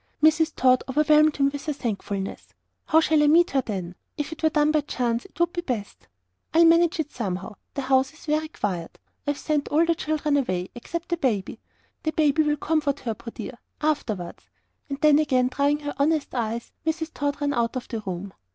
Mrs. Tod overwhelmed him with thankfulness. "How shall I meet her, then? If it were done by chance it would be best." "I'll manage it somehow. The house is very quiet: I've sent all the children away, except the baby. The baby'll comfort her, poor dear! afterwards." And, again drying her honest eyes, Mrs. Tod ran out of the room.